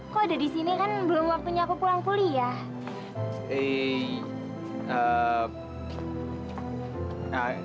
kok udah disini kan belum waktunya aku pulang kuliah